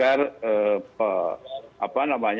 karena kita harus memiliki perlindungan